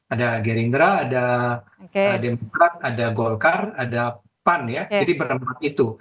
ada gerindra ada demokrat ada golkar ada pan ya jadi berempat itu